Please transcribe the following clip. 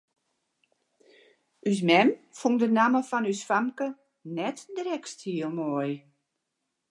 Us mem fûn de namme fan ús famke net drekst hiel moai.